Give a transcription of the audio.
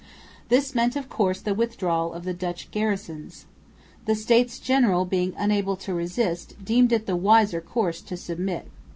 This meant of course the withdrawal of the Dutch garrisons. The States General, being unable to resist, deemed it the wiser course to submit.